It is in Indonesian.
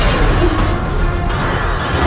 tidak akan terjadi apa apa